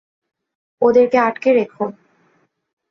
ওদেরকে আটকে রাখো।